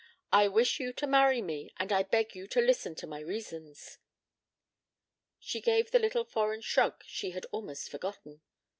I wish you to marry me, and I beg you to listen to my reasons." She gave the little foreign shrug she had almost forgotten.